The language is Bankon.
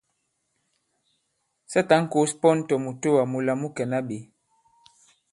Sa tǎn kǒs pɔn tɔ̀ mùtoà mūla mu kɛ̀na ɓě !